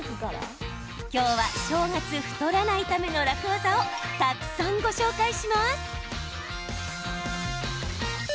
今日は、正月太らないための楽ワザをたくさんご紹介します。